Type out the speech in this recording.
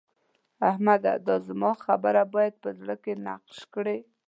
احمده! دا زما خبره بايد په زړه کې نقش کړې.